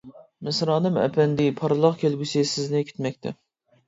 مىسرانىم ئەپەندى، پارلاق كەلگۈسى سىزنى كۈتمەكتە.